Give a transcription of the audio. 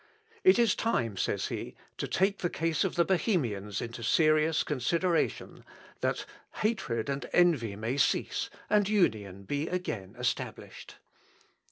"It is time," says he, "to take the case of the Bohemians into serious consideration, that hatred and envy may cease, and union be again established."